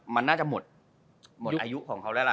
มันน่าจะหมดอายุของเขาแล้วล่ะ